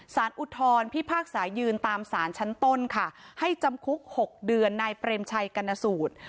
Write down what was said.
อุทธรพิพากษายืนตามสารชั้นต้นค่ะให้จำคุก๖เดือนนายเปรมชัยกรณสูตร